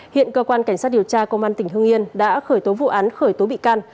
hiện cơ quan cảnh sát điều tra công an tỉnh hương yên đã khởi tố vụ án khởi tố bị can